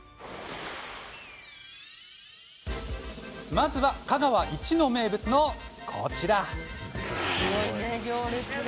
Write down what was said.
まずは香川一の名物のこちら。